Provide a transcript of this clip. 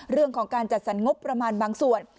เรื่องของการจัดสรรงบประมาณบางส่วน